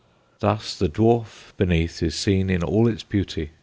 Thus the dwarf beneath is seen in all its beauty.